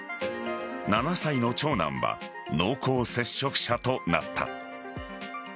７歳の長男は濃厚接触者となった。